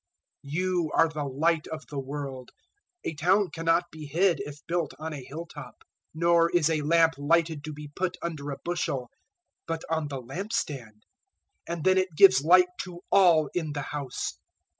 005:014 *You* are the light of the world; a town cannot be hid if built on a hill top. 005:015 Nor is a lamp lighted to be put under a bushel, but on the lampstand; and then it gives light to all in the house.